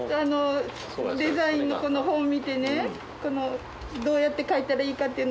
デザインの本見てねどうやって描いたらいいかっていうのをこう。